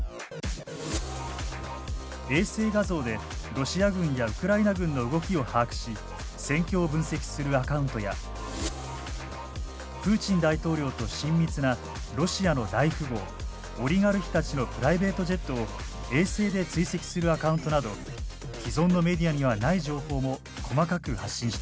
衛星画像でロシア軍やウクライナ軍の動きを把握し戦況を分析するアカウントやプーチン大統領と親密なロシアの大富豪オリガルヒたちのプライベートジェットを衛星で追跡するアカウントなど既存のメディアにはない情報も細かく発信しています。